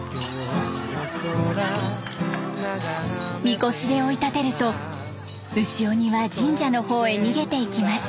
みこしで追い立てると牛鬼は神社のほうへ逃げていきます。